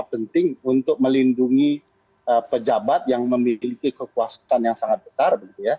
penting untuk melindungi pejabat yang memiliki kekuasaan yang sangat besar